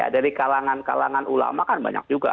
dari kalangan kalangan ulama kan banyak juga